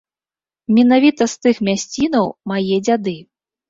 Менавіта з тых мясцінаў мае дзяды.